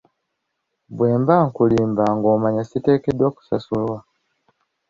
Bwe mba nkulimba ng'omanya siteekeddwa kusasulwa.